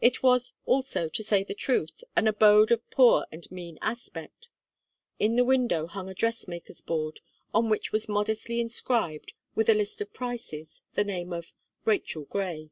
It was, also, to say the truth, an abode of poor and mean aspect. In the window hung a dress maker's board, on which was modestly inscribed, with a list of prices, the name of "RACHEL GRAY."